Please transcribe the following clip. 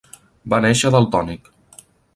Va néixer daltònic.